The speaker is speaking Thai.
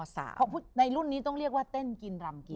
เพราะในรุ่นนี้ต้องเรียกว่าเต้นกินรำกิน